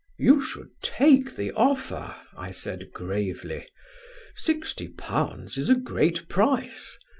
"'You should take the offer,' I said gravely; '£60 is a great price.